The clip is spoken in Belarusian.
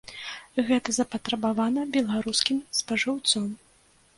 Гэта запатрабавана беларускім спажыўцом.